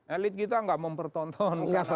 elit kita enggak mempertonton